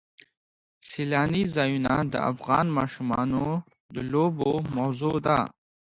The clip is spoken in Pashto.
سیلانی ځایونه د افغان ماشومانو د لوبو موضوع ده.